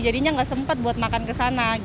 jadinya nggak sempat buat makan ke sana